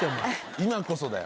今こそだよ。